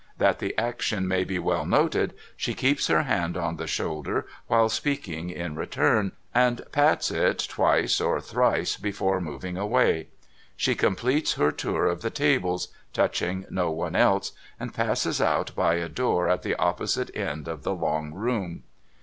That the action may be well noted, she keeps her hand on the shoulder while speaking in return, and pats it twice or thrice before moving away. She com pletes her tour of the tables, touching no one else, and passes out by a door at the opposite end of the long room.